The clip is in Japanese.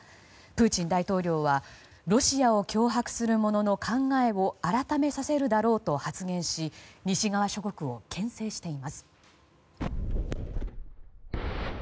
プーチン大統領はロシアを脅迫する者の考えを改めさせるだろうと発言し西側諸国を牽制しています。